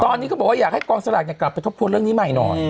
ตอนนี้เขาบอกว่าอยากให้กองสลากกลับไปทบทวนเรื่องนี้ใหม่หน่อย